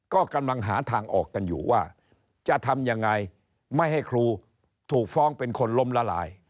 ก็กำลังหาทางออกกันอยู่ว่าจะทำยังไงไม่ให้ครูถูกฟ้องเป็นคนล้มละลาย